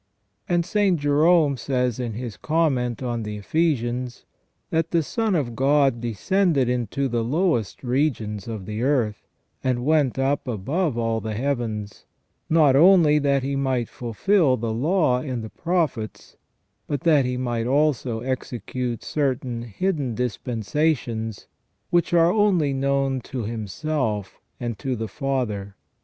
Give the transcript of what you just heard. And St. Jerome says in his comment on the Ephesians, that " the Son of God descended into the lowest regions of the earth, and went up above all the heavens, not only that He might fulfil the law and the prophets, but that He might also execute certain hidden dis pensations which are only known to Himself and to the Father.